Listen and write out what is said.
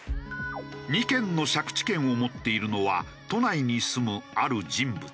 ２軒の借地権を持っているのは都内に住むある人物。